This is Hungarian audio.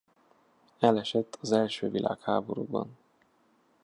Elesett az első világháborúban.